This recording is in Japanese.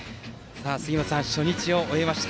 杉本さん、初日を終えました。